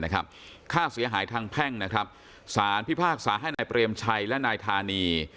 ค่าเสียหายทางแพ่งนะครับสารพิพากษาให้นายเปรมชัยและนายธานี